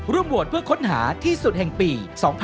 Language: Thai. ร่วมโหวดเพื่อค้นหาที่สุดแห่งปี๒๐๒๒